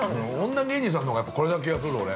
◆女芸人さんのほうがやっぱり、これな気がする、俺。